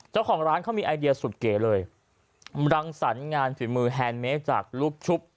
เจ้าของร้านเขามีไอเดียสุดเก๋เลยรังสรรค์งานฝีมือแฮนดเมสจากลูกชุบ